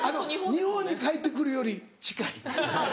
日本に帰ってくるより近い。